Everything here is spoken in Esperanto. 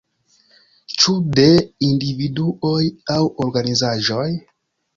Ĉu de individuoj aŭ organizaĵoj?